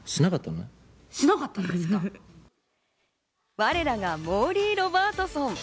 我らがモーリー・ロバートソン。